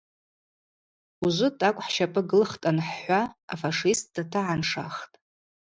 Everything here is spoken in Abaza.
Ужвы тӏакӏв хӏщапӏы гылтӏ – анхӏхӏва афашист датагӏаншахтӏ.